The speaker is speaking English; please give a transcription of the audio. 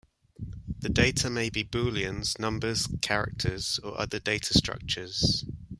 The data may be booleans, numbers, characters, or other data structures.